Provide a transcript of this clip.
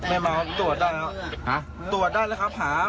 ไม่เมาตรวจได้อะ